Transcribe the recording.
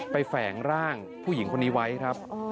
แฝงร่างผู้หญิงคนนี้ไว้ครับ